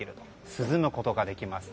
涼むことができます。